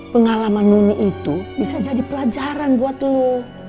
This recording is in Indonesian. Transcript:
pengalaman nuni itu bisa jadi pelajaran buat lo